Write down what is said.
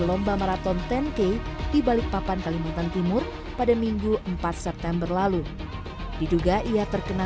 lomba maraton sepuluh k di balikpapan kalimantan timur pada minggu empat september lalu diduga ia terkena